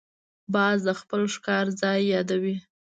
باز د خپل ښکار ځای یادوي